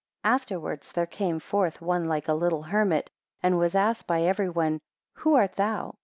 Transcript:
10 Afterwards there came forth one like a little hermit, and was asked by every one, Who art thou?